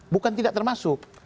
bukan tidak termasuk